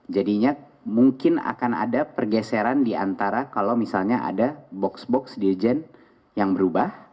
jadinya mungkin akan ada pergeseran di antara kalau misalnya ada box box dirjen yang berubah